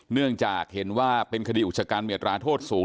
เนื่องจากเห็นว่าเป็นคดีอุชกันมีอัตราโทษสูง